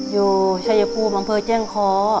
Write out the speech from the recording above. อยู่ชายภูมิมเจ้งค